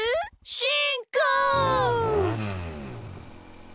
しんこう！